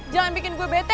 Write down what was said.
jangan bikin gue bete